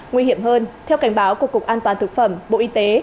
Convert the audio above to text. nguy hiểm hơn theo cảnh báo của cục an toàn thực phẩm bộ y tế